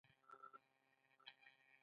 دا کار اوس د افغان مجاهد ولس کار دی.